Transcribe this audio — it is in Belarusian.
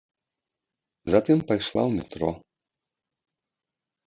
Затым пайшла ў метро.